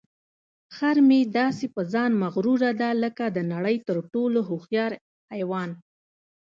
خر مې داسې په ځان مغروره دی لکه د نړۍ تر ټولو هوښیار حیوان.